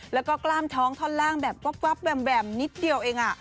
แล้วก็กล้ามท้องท่อนล่างแบบก๊วับแวมนิดเดียวเอง